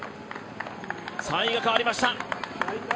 ３位が変わりました！